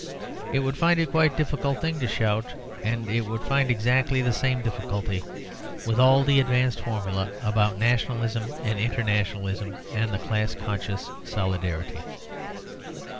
It would find it quite a difficult thing to shout; and it would find exactly the same difficulty with all the advanced formulae about nationalisation and internationalisation and class conscious solidarity.